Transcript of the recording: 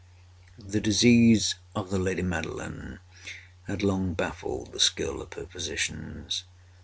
The disease of the lady Madeline had long baffled the skill of her physicians.